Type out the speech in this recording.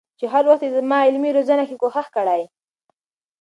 چې هر وخت يې زما په علمي روزنه کي کوښښ کړي